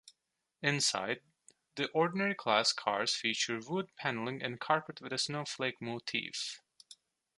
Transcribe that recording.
Inside, the ordinary-class cars feature wood paneling and carpet with a snowflake motif.